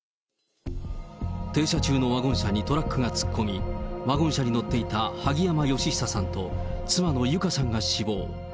停車中のワゴン車にトラックが突っ込み、ワゴン車に乗っていた萩山嘉久さんと妻の友香さんが死亡。